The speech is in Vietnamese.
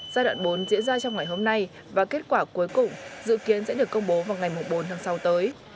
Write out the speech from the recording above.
giai đoạn bốn diễn ra trong ngày hôm nay và kết quả cuối cùng dự kiến sẽ được công bố vào ngày bốn tháng sáu tới